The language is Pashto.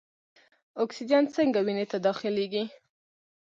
اکسیجن څنګه وینې ته داخلیږي؟